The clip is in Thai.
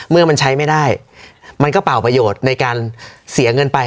เมื่อมันใช้ไม่ได้มันก็เป่าประโยชน์ในการเสียเงินไป